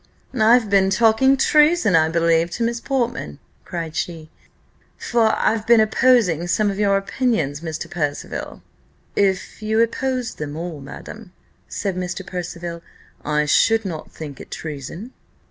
"I've been talking treason, I believe, to Miss Portman," cried she; "for I've been opposing some of your opinions, Mr. Percival." "If you opposed them all, madam," said Mr. Percival, "I should not think it treason."